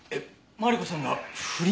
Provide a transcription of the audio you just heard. マリコさんが不倫！？